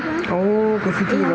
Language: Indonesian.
iman juga pernah jadi imam juga